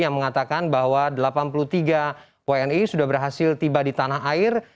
yang mengatakan bahwa delapan puluh tiga wni sudah berhasil tiba di tanah air